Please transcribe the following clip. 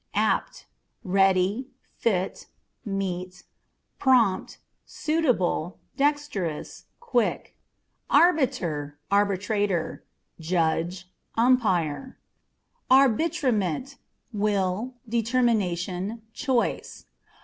Apt â€" ready, fit, meet, prompt, suitable, dexterous, quick. Arbiter, Arbitrator â€" judge, umpire. Arbitrement â€" will, determination, choice.